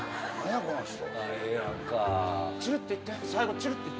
チュルっていって。